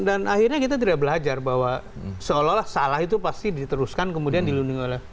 dan akhirnya kita tidak belajar bahwa seolah olah salah itu pasti diteruskan kemudian dilindungi oleh